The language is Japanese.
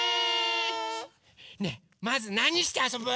ねえまずなにしてあそぶ？